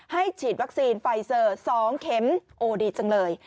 ฉีดวัคซีนไฟเซอร์๒เข็มโอ้ดีจังเลย